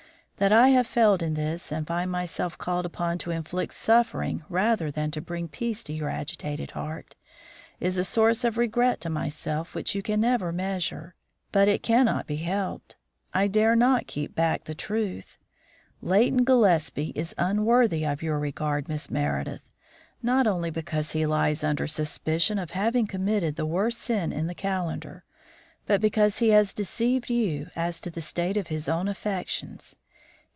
That I have failed in this and find myself called upon to inflict suffering rather than to bring peace to your agitated heart is a source of regret to myself which you can never measure. But it cannot be helped. I dare not keep back the truth. Leighton Gillespie is unworthy your regard, Miss Meredith, not only because he lies under suspicion of having committed the worst sin in the calendar, but because he has deceived you as to the state of his own affections.